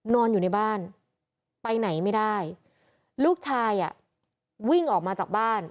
นอนอยู่ในบ้านไปไหนไม่ได้ลูกชายอ่ะวิ่งออกมาจากบ้าน